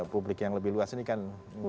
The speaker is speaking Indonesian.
publik yang lebih luas ini kan